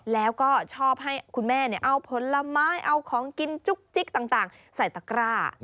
แล้วก็ชอบให้คุณแม่เอาผลไม้เอาของกินจุ๊กจิ๊กต่างใส่ตะกร้า